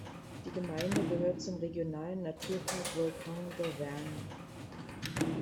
Die Gemeinde gehört zum Regionalen Naturpark Volcans d’Auvergne.